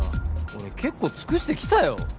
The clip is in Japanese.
俺結構尽くしてきたよ